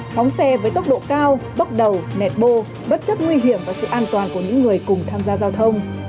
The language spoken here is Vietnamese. phóng xe với tốc độ cao bốc đầu nẹt bô bất chấp nguy hiểm và sự an toàn của những người cùng tham gia giao thông